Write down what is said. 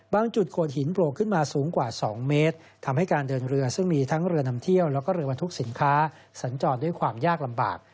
จุดโขดหินโผล่ขึ้นมาสูงกว่า๒เมตรทำให้การเดินเรือซึ่งมีทั้งเรือนำเที่ยวแล้วก็เรือบรรทุกสินค้าสัญจรด้วยความยากลำบาก